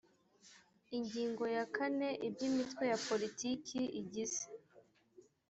ingingo ya kane ibyo imitwe ya politiki igize